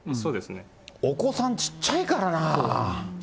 お子さんちっちゃいからな。